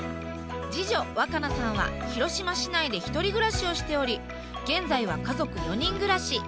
次女わか菜さんは広島市内で１人暮らしをしており現在は家族４人暮らし。